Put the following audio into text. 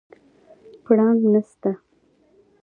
پړانګ نسته